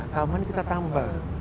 keamanan kita tambah